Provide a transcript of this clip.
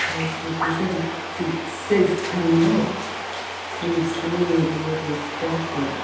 p. 237). The "ces animaux" leaves the meaning of the authors doubtful.